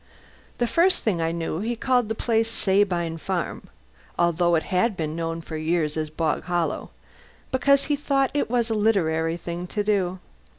The first thing I knew he called the place Sabine Farm (although it had been known for years as Bog Hollow) because he thought it a literary thing to do.